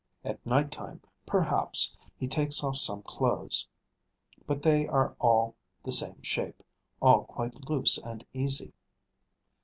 At night time, perhaps, he takes off some clothes; but they are all the same shape, all quite loose and easy.